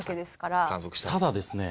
ただですね